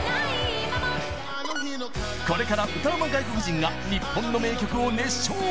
今もこれから歌うま外国人が日本の名曲を熱唱！